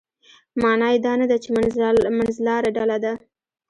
معنا یې دا نه ده چې منځلاره ډله ده.